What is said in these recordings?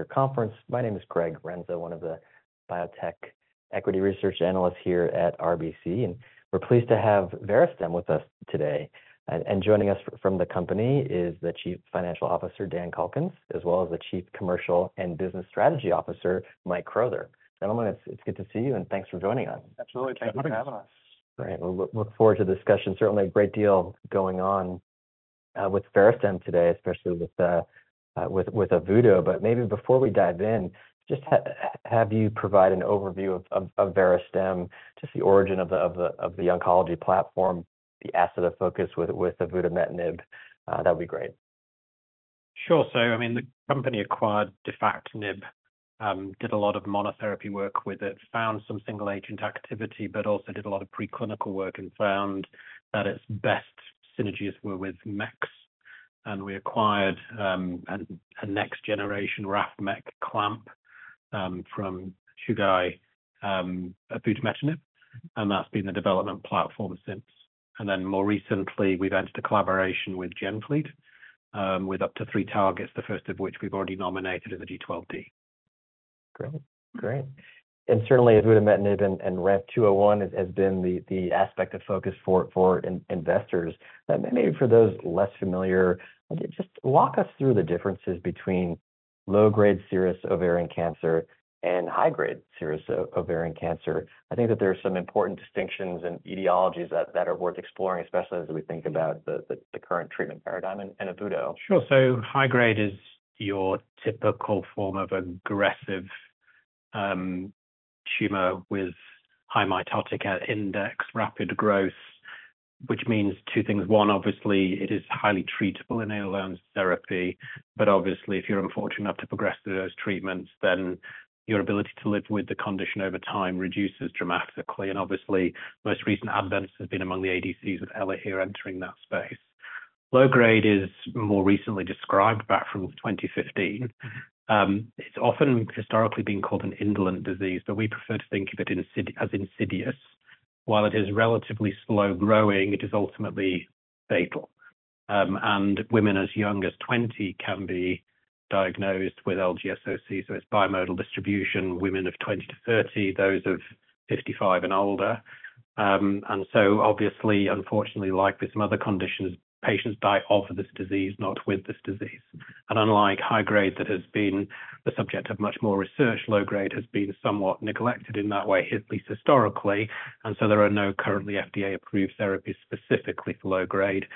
care conference. My name is Greg Renza, one of the biotech equity research analysts here at RBC, and we're pleased to have Verastem with us today. And joining us from the company is the Chief Financial Officer, Dan Calkins, as well as the Chief Commercial and Business Strategy Officer, Mike Crowther. Gentlemen, it's good to see you, and thanks for joining us. Absolutely. Good morning. Thank you for having us. Great. Well, look forward to the discussion. Certainly a great deal going on with Verastem today, especially with avutometinib. But maybe before we dive in, just have you provide an overview of Verastem, just the origin of the oncology platform, the asset of focus with avutometinib, that would be great. Sure. So, I mean, the company acquired defactinib, did a lot of monotherapy work with it, found some single agent activity, but also did a lot of preclinical work and found that its best synergies were with MEKs. And we acquired a next-generation RAF MEK clamp from Chugai, avutometinib, and that's been the development platform since. And then more recently, we've entered a collaboration with GenFleet, with up to three targets, the first of which we've already nominated as the G12D. Great. Great. And certainly, avutometinib and RAMP 201 has been the aspect of focus for investors. But maybe for those less familiar, just walk us through the differences between low-grade serous ovarian cancer and high-grade serous ovarian cancer. I think that there are some important distinctions and etiologies that are worth exploring, especially as we think about the current treatment paradigm in LGSOC. Sure. So high-grade is your typical form of aggressive tumor with high mitotic index, rapid growth, which means two things: One, obviously, it is highly treatable in alone therapy, but obviously, if you're unfortunate enough to progress through those treatments, then your ability to live with the condition over time reduces dramatically, and obviously, most recent advances have been among the ADCs with Elahere entering that space. Low-grade is more recently described, back from 2015. It's often historically been called an indolent disease, but we prefer to think of it as insidious. While it is relatively slow-growing, it is ultimately fatal. And women as young as 20 can be diagnosed with LGSOC, so it's bimodal distribution, women of 20-30, those of 55 and older. And so obviously, unfortunately, like with some other conditions, patients die of this disease, not with this disease. Unlike high-grade, that has been the subject of much more research, low-grade has been somewhat neglected in that way, at least historically, and so there are no currently FDA-approved therapies specifically for low-grade.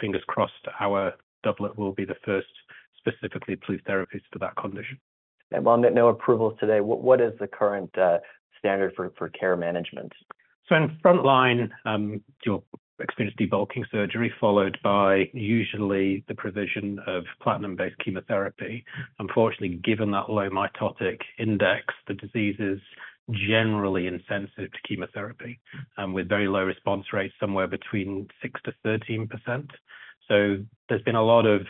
Fingers crossed, our doublet will be the first specifically approved therapies for that condition. While no approvals today, what is the current standard for care management? So in frontline, you'll experience debulking surgery, followed by usually the provision of platinum-based chemotherapy. Unfortunately, given that low mitotic index, the disease is generally insensitive to chemotherapy, with very low response rates, somewhere between 6%-13%. So there's been a lot of,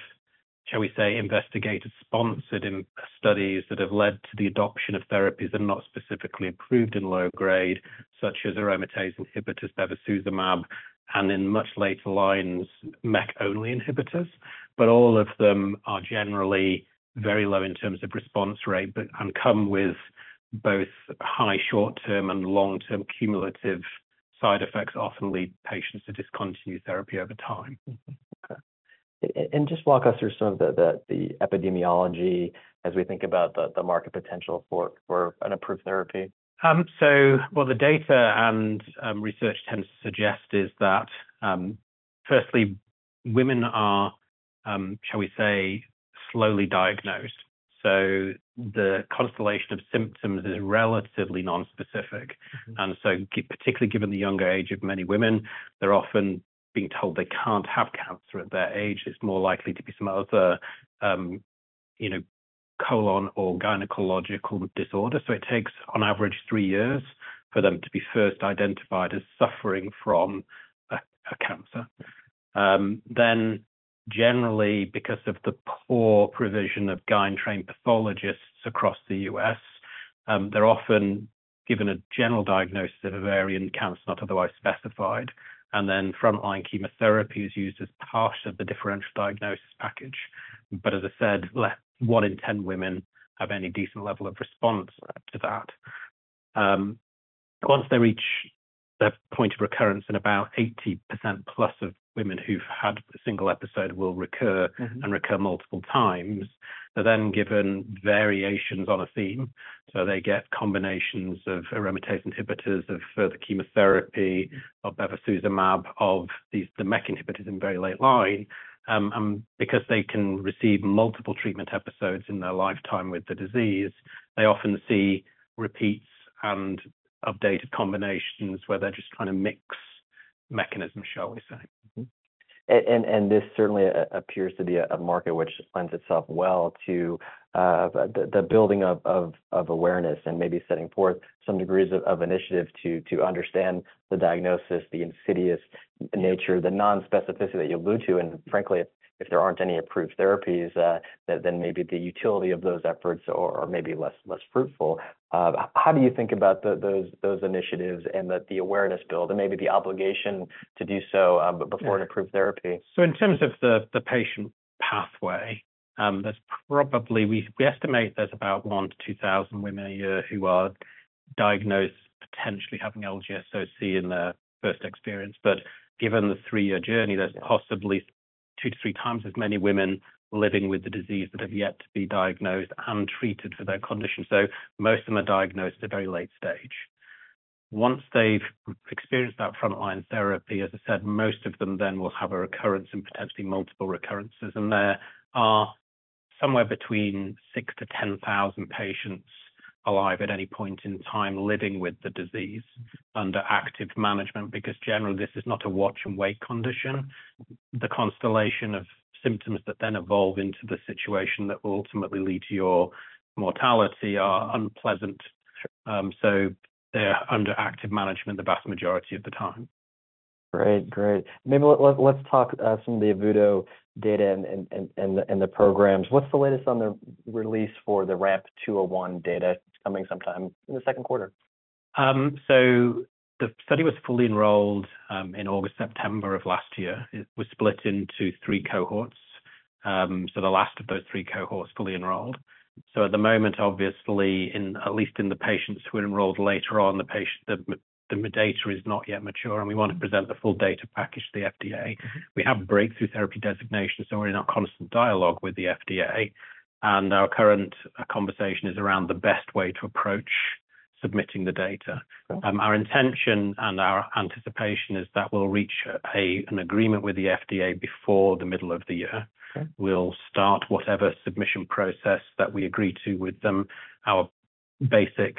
shall we say, investigator-sponsored studies that have led to the adoption of therapies and not specifically improved in low grade, such as aromatase inhibitors, bevacizumab, and in much later lines, MEK-only inhibitors. But all of them are generally very low in terms of response rate, but... and come with both high short-term and long-term cumulative side effects, often lead patients to discontinue therapy over time. Mm-hmm. Okay. And just walk us through some of the epidemiology as we think about the market potential for an approved therapy. So, well, the data and research tends to suggest is that, firstly, women are, shall we say, slowly diagnosed, so the constellation of symptoms is relatively nonspecific. Mm-hmm. Particularly given the younger age of many women, they're often being told they can't have cancer at their age. It's more likely to be some other, you know, colon or gynecological disorder. It takes, on average, three years for them to be first identified as suffering from a cancer. Then generally, because of the poor provision of gyn-trained pathologists across the U.S., they're often given a general diagnosis of ovarian cancer, not otherwise specified, and then frontline chemotherapy is used as part of the differential diagnosis package. As I said, less than one in 10 women have any decent level of response to that. Once they reach the point of recurrence, and about 80%+ of women who've had a single episode will recur- Mm-hmm... and recur multiple times, they're then given variations on a theme. So they get combinations of aromatase inhibitors, of further chemotherapy, of bevacizumab, of these, the MEK inhibitors in very late line. And because they can receive multiple treatment episodes in their lifetime with the disease, they often see repeats and updated combinations where they're just trying to mix mechanisms, shall we say. Mm-hmm. And this certainly appears to be a market which lends itself well to the building of awareness and maybe setting forth some degrees of initiative to understand the diagnosis, the insidious nature, the nonspecificity that you allude to. And frankly, if there aren't any approved therapies, then maybe the utility of those efforts or maybe less fruitful. How do you think about those initiatives and the awareness build and maybe the obligation to do so before- Yeah... an approved therapy? So in terms of the patient pathway. There's probably. We estimate there's about 1000-2000 women a year who are diagnosed potentially having LGSOC in their first experience. But given the three-year journey, there's possibly two-three times as many women living with the disease that have yet to be diagnosed and treated for their condition. So most of them are diagnosed at a very late stage. Once they've experienced that frontline therapy, as I said, most of them then will have a recurrence and potentially multiple recurrences. And there are somewhere between 6000-10,000 patients alive at any point in time, living with the disease under active management, because generally, this is not a watch-and-wait condition. The constellation of symptoms that then evolve into the situation that will ultimately lead to your mortality are unpleasant. They're under active management the vast majority of the time. Great. Great. Maybe let's talk some of the avutometinib data and the programs. What's the latest on the release for the RAMP 201 data coming sometime in the second quarter? So the study was fully enrolled in August, September of last year. It was split into three cohorts. So the last of those three cohorts fully enrolled. So at the moment, obviously, in at least in the patients who enrolled later on, the data is not yet mature, and we want to present the full data package to the FDA. We have a Breakthrough Therapy Designation, so we're in a constant dialogue with the FDA, and our current conversation is around the best way to approach submitting the data. Okay. Our intention and our anticipation is that we'll reach an agreement with the FDA before the middle of the year. Okay. We'll start whatever submission process that we agree to with them. Our basic,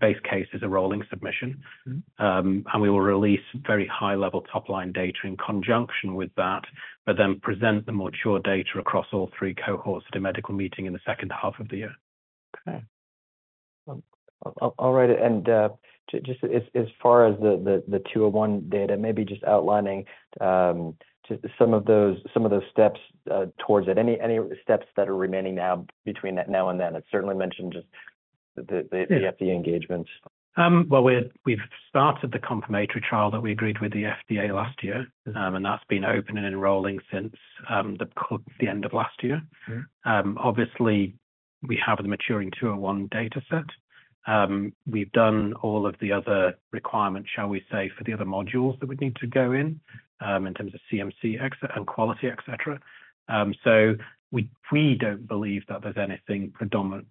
base case is a rolling submission. Mm-hmm. We will release very high-level top-line data in conjunction with that, but then present the mature data across all three cohorts at a medical meeting in the second half of the year. Okay. All right, and just as far as the 201 data, maybe just outlining just some of those steps towards it. Any steps that are remaining now between now and then? It certainly mentioned just the- Yeah... the FDA engagement. Well, we've started the confirmatory trial that we agreed with the FDA last year. Mm-hmm. That's been open and enrolling since the end of last year. Mm-hmm. Obviously, we have the maturing 201 dataset. We've done all of the other requirements, shall we say, for the other modules that would need to go in, in terms of CMC and quality, et cetera. So we, we don't believe that there's anything predominantly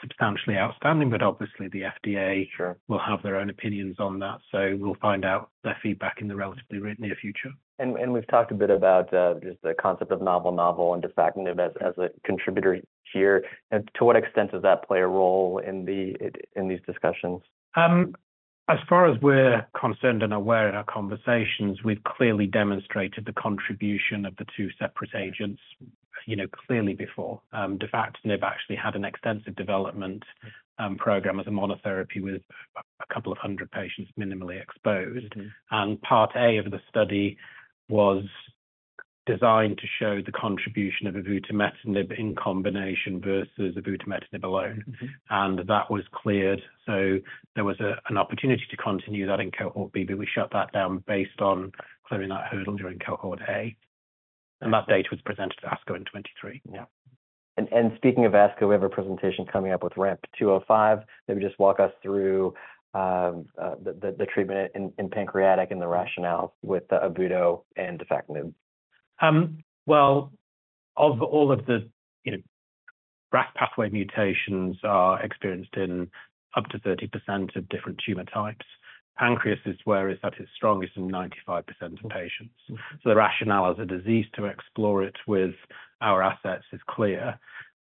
substantially outstanding, but obviously, the FDA- Sure... will have their own opinions on that, so we'll find out their feedback in the relatively near future. We've talked a bit about just the concept of avutometinib and defactinib as a contributor here. And to what extent does that play a role in these discussions? As far as we're concerned and aware in our conversations, we've clearly demonstrated the contribution of the two separate agents, you know, clearly before. Defactinib actually had an extensive development program as a monotherapy with a couple of 100 patients minimally exposed. Mm-hmm. Part A of the study was designed to show the contribution of avutometinib in combination versus avutometinib alone. Mm-hmm. That was cleared, so there was an opportunity to continue that in cohort B, but we shut that down based on clearing that hurdle during cohort A. Okay. That data was presented at ASCO in 2023. Yeah. And speaking of ASCO, we have a presentation coming up with RAMP 205. Maybe just walk us through the treatment in pancreatic and the rationale with the avutometinib and defactinib. Well, of all of the, you know, RAS pathway mutations are experienced in up to 30% of different tumor types. Pancreas is where it's at its strongest in 95% of patients. Mm-hmm. So the rationale as a disease to explore it with our assets is clear.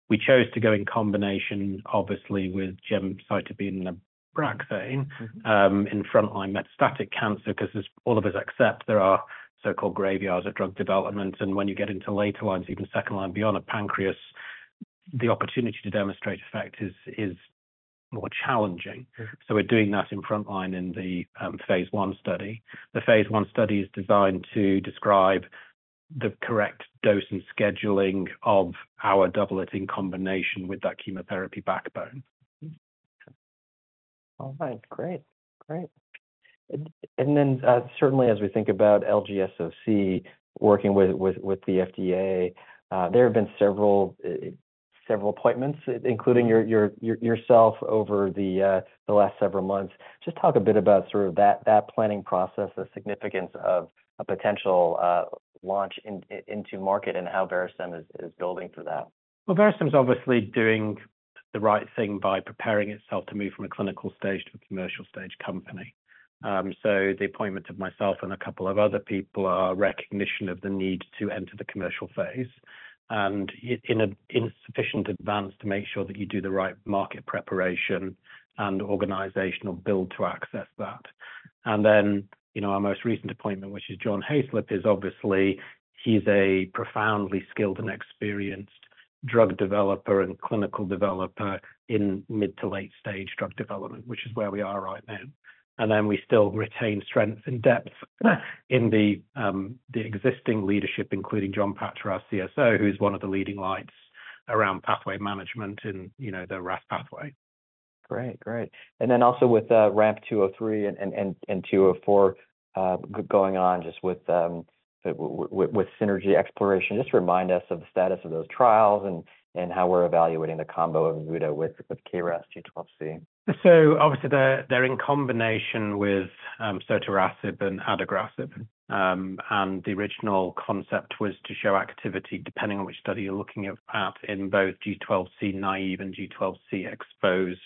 We chose to go in combination, obviously, with gemcitabine and nab-paclitaxel- Mm-hmm... in frontline metastatic cancer, because as all of us accept, there are so-called graveyards of drug development, and when you get into later lines, even second line beyond a pancreas, the opportunity to demonstrate effect is more challenging. Sure. So we're doing that in frontline in the phase 1 study. The phase 1 study is designed to describe the correct dose and scheduling of our doublet in combination with that chemotherapy backbone. All right. Great. Great. And then, certainly as we think about LGSOC, working with the FDA, there have been several appointments, including yourself over the last several months. Just talk a bit about sort of that planning process, the significance of a potential launch into market and how Verastem is building for that. Well, Verastem is obviously doing the right thing by preparing itself to move from a clinical stage to a commercial stage company. So the appointment of myself and a couple of other people are a recognition of the need to enter the commercial phase, and in sufficient advance to make sure that you do the right market preparation and organizational build to access that. And then, you know, our most recent appointment, which is John Hayslip, is obviously, he's a profoundly skilled and experienced drug developer and clinical developer in mid to late-stage drug development, which is where we are right now. And then we still retain strength and depth in the existing leadership, including Jonathan Pachter, our CSO, who is one of the leading lights around pathway management in, you know, the RAS pathway.... Great, great. And then also with RAMP 203 and 204 going on, just with synergy exploration, just remind us of the status of those trials and how we're evaluating the combo of avutometinib with KRAS G12C. So obviously, they're in combination with sotorasib and adagrasib. And the original concept was to show activity, depending on which study you're looking at, in both G12C naive and G12C exposed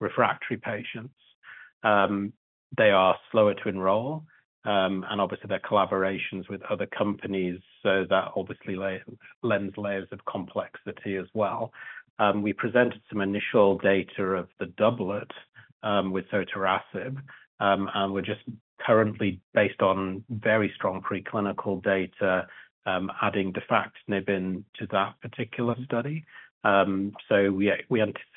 refractory patients. They are slower to enroll, and obviously, they're collaborations with other companies, so that obviously lends layers of complexity as well. We presented some initial data of the doublet with sotorasib. And we're just currently based on very strong preclinical data, adding defactinib to that particular study. So we anticipate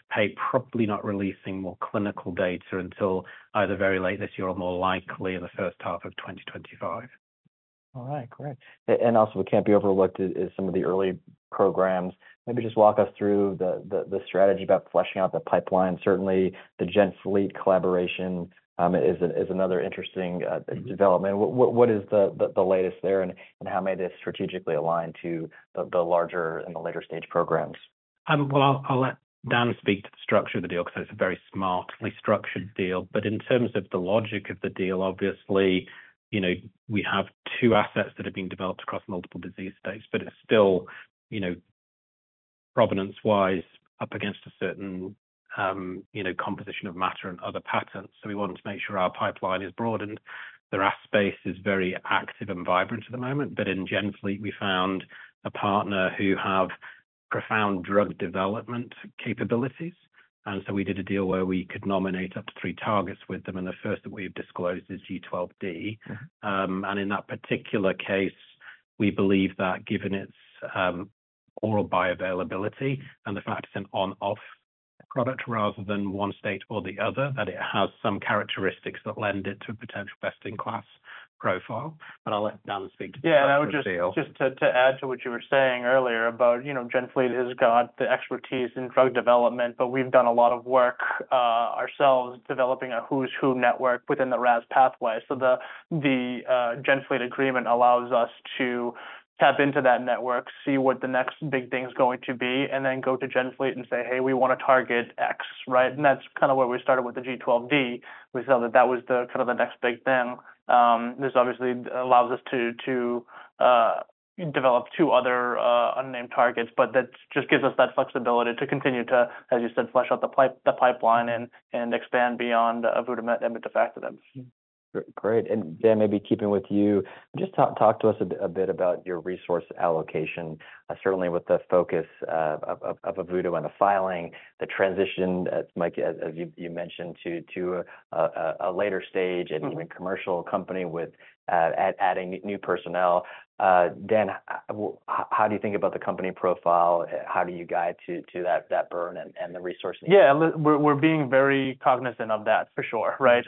probably not releasing more clinical data until either very late this year or more likely in the first half of 2025. All right, great. And also what can't be overlooked is some of the early programs. Maybe just walk us through the strategy about fleshing out the pipeline. Certainly, the GenFleet collaboration is another interesting development. What is the latest there, and how may this strategically align to the larger and the later stage programs? Well, I'll let Dan speak to the structure of the deal because it's a very smartly structured deal. But in terms of the logic of the deal, obviously, you know, we have two assets that are being developed across multiple disease states, but it's still, you know, provenance-wise, up against a certain, you know, composition of matter and other patents. So we wanted to make sure our pipeline is broadened. The RAS space is very active and vibrant at the moment, but in GenFleet, we found a partner who have profound drug development capabilities. And so we did a deal where we could nominate up to three targets with them, and the first that we've disclosed is G12D. In that particular case, we believe that given its oral bioavailability and the fact it's an on-off product rather than one state or the other, that it has some characteristics that lend it to a potential best-in-class profile. But I'll let Dan speak to the structure of the deal. Yeah, I would just to add to what you were saying earlier about, you know, GenFleet has got the expertise in drug development, but we've done a lot of work ourselves, developing a who's who network within the RAS pathway. So the GenFleet agreement allows us to tap into that network, see what the next big thing is going to be, and then go to GenFleet and say, "Hey, we want to target X," right? And that's kind of where we started with the G12D. We felt that that was the kind of the next big thing. This obviously allows us to develop two other unnamed targets, but that just gives us that flexibility to continue to, as you said, flesh out the pipeline and expand beyond the avutometinib and the defactinib. Great. Dan, maybe keeping with you, just talk to us a bit about your resource allocation. Certainly with the focus of avutometinib and the filing, the transition, as Mike, as you mentioned, to a later stage and even commercial company with adding new personnel. Dan, how do you think about the company profile? How do you guide to that burn and the resourcing? Yeah, we're being very cognizant of that, for sure, right?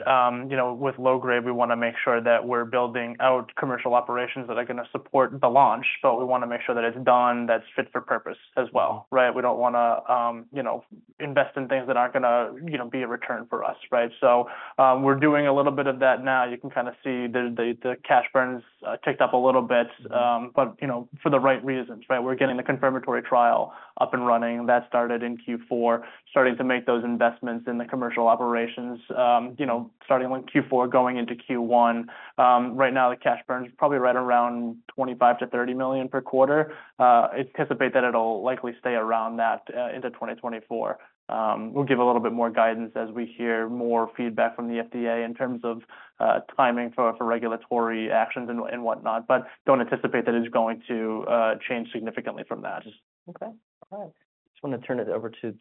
You know, with low-grade, we want to make sure that we're building out commercial operations that are going to support the launch, but we want to make sure that it's done, that's fit for purpose as well, right? We don't want to, you know, invest in things that aren't going to, you know, be a return for us, right? So, we're doing a little bit of that now. You can kinda see the cash burn ticked up a little bit, but, you know, for the right reasons, right? We're getting the confirmatory trial up and running. That started in Q4, starting to make those investments in the commercial operations, you know, starting in Q4, going into Q1. Right now, the cash burn is probably right around $25-$30 million per quarter. Anticipate that it'll likely stay around that, into 2024. We'll give a little bit more guidance as we hear more feedback from the FDA in terms of, timing for, for regulatory actions and, and whatnot, but don't anticipate that it's going to, change significantly from that. Okay. All right. Just want to turn it over to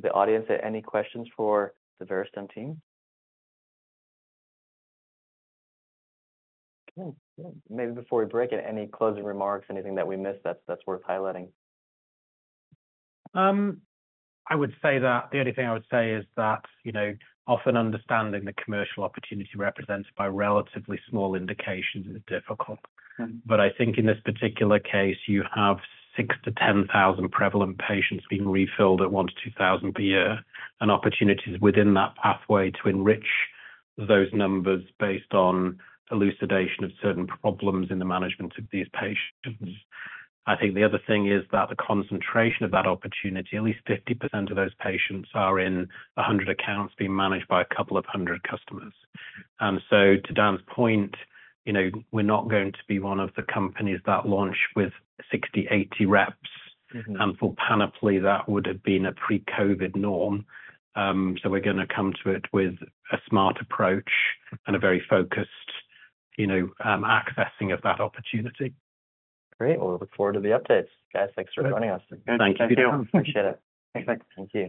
the audience. Any questions for the Verastem team? Okay. Maybe before we break it, any closing remarks, anything that we missed that's worth highlighting? I would say that the only thing I would say is that, you know, often understanding the commercial opportunity represented by relatively small indications is difficult. Okay. But I think in this particular case, you have 6,000-10,000 prevalent patients being refilled at 1,000-2,000 per year, and opportunities within that pathway to enrich those numbers based on elucidation of certain problems in the management of these patients. I think the other thing is that the concentration of that opportunity, at least 50% of those patients, are in 100 accounts being managed by a couple of hundred customers. And so, to Dan's point, you know, we're not going to be one of the companies that launch with 60, 80 reps. Mm-hmm. For panoply, that would have been a pre-COVID norm. So we're going to come to it with a smart approach and a very focused, you know, accessing of that opportunity. Great. Well, we look forward to the updates. Guys, thanks for joining us. Thank you. Thank you. Appreciate it. Thanks. Thanks.